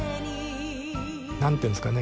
何て言うんですかね。